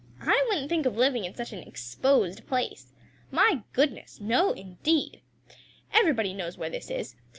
"I wouldn't think of living in such an exposed place! My goodness, no indeed! Everybody knows where this is.